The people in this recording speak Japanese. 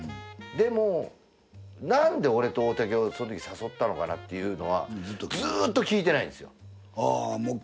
でもなんで俺と大竹をその時誘ったのかなっていうのはずっと聞いてないんですよ。